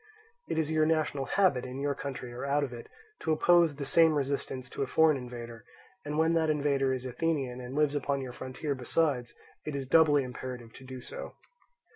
It is your national habit, in your country or out of it, to oppose the same resistance to a foreign invader; and when that invader is Athenian, and lives upon your frontier besides, it is doubly imperative to do so.